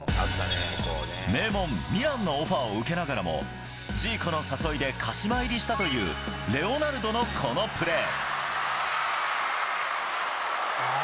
名門、ミランのオファーを受けながらも、ジーコの誘いで鹿島入りしたというレオナルドのこのプレー。